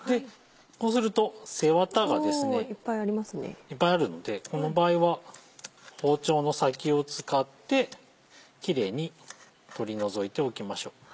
こうすると背ワタがいっぱいあるのでこの場合は包丁の先を使ってキレイに取り除いておきましょう。